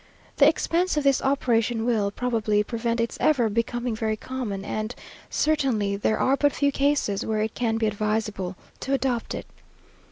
The expense of this operation will probably prevent its ever becoming very common; and certainly there are but few cases where it can be advisable to adopt it.